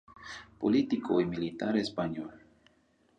Político y militar español.